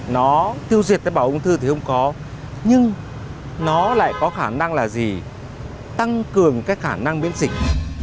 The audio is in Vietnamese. nó tiêu diệt tế bào ung thư thì không có nhưng nó lại có khả năng là gì tăng cường cái khả năng biến dịch